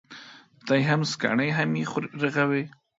ته يې هم سکڼې ، هم يې رغوې.